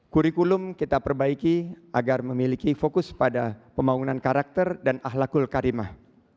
kurikulum kita perbaiki agar memiliki fokus pada pembangunan karakter dan ahlakul karimah